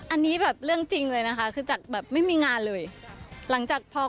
อันนี้แบบเรื่องจริงเลยนะคะ